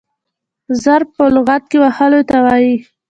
ضرب په لغت کښي وهلو ته وايي.